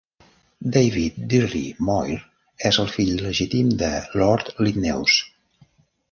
David Dirry-Moir és el fill il·legítim de Lord Linnaeus.